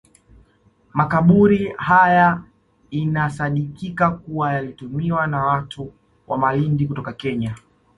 Makaburi haya inasadikika kuwa yalitumiwa na watu wa Malindi kutoka Kenya